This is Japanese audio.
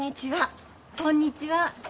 こんにちは。